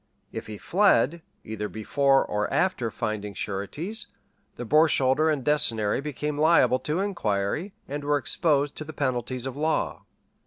If he fled, either before or after finding sureties, the borsholder and decennary became liable to inquiry, and were exposed to the penalties of law.